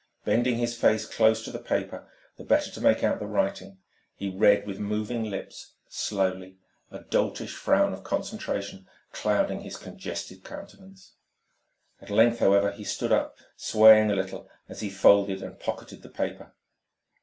Bending his face close to the paper, the better to make out the writing, he read with moving lips, slowly, a doltish frown of concentration clouding his congested countenance. At length, however, he stood up, swaying a little as he folded and pocketed the paper.